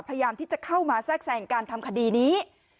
พยายามที่จะเข้ามาแทรกแสงการทำคดีนี้